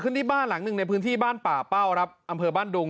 ที่บ้านหลังหนึ่งในพื้นที่บ้านป่าเป้าครับอำเภอบ้านดุง